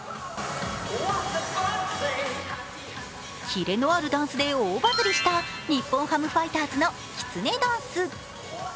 キレのあるダンスで大バズりした日本ハムファイターズのきつねダンス。